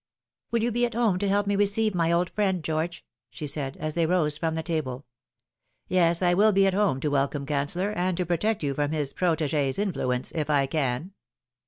" Will you be at home to help me to receive my old friend, George ?" she said, as they rose from the table. " Yes, I will be at home to welcome Canceller, and to protect you from his protegee's influence, if I can."